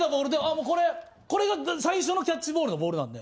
もうこれこれが最初のキャッチボールのボールなんで。